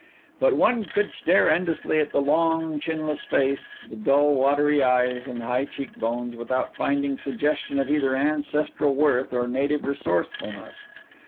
But one could stare endlessly at the long, chinless face, the dull, watery eyes, and high cheek bones, without finding suggestion of either ancestral worth or native resourcefulness.